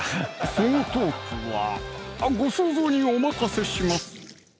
そのトークはあっご想像にお任せします！